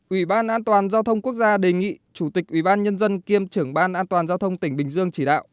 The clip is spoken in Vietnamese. ủy ban an toàn giao thông quốc gia đề nghị chủ tịch ủy ban nhân dân kiêm trưởng ban an toàn giao thông tỉnh bình dương chỉ đạo